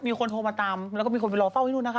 มีคนโทรมาตามแล้วก็มีคนไปรอเฝ้าที่นู่นนะคะ